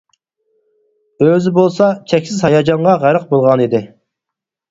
ئۆزى بولسا، چەكسىز ھاياجانغا غەرق بولغانىدى.